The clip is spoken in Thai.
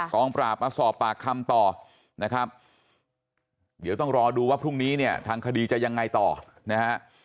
กองปราบมาสอบปากคำต่อนะครับเดี๋ยวต้องรอดูว่าพรุ่งนี้เนี่ยทางคดีจะยังไงต่อนะฮะ